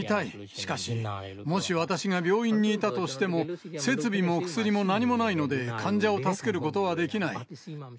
しかし、もし私が病院にいたとしても、設備も薬も何もないので、患者を助けることはできない。